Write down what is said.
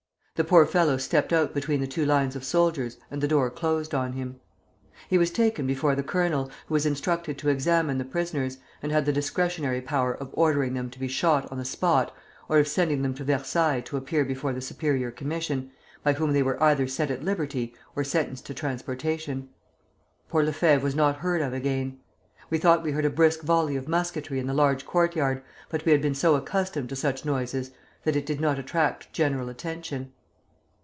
The poor fellow stepped out between the two lines of soldiers, and the door closed on him. He was taken before the colonel, who was instructed to examine the prisoners, and had the discretionary power of ordering them to be shot on the spot, or of sending them to Versailles to appear before the superior commission, by whom they were either set at liberty or sentenced to transportation. Poor Lefevre was not heard of again. We thought we heard a brisk volley of musketry in the large courtyard, but we had been so accustomed to such noises that it did not attract general attention.